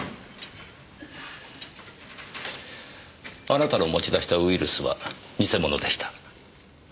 あなたの持ち出したウイルスは偽物でした。